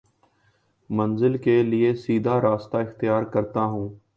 منزل کے لیے سیدھا راستہ اختیار کرتا ہوں